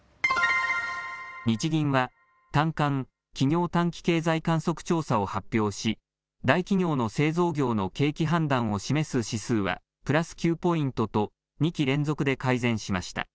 日銀は短観・企業短期経済観測調査を発表し大企業の製造業の景気判断を示す指数はプラス９ポイントと２期連続で改善しました。